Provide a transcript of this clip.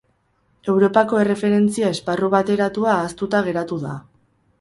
Europako Erreferentzia Esparru Bateratua ahaztuta geratu da.